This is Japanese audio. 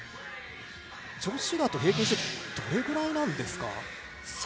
女子だと平均してどれぐらいなんですか？